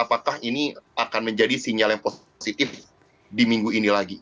apakah ini akan menjadi sinyal yang positif di minggu ini lagi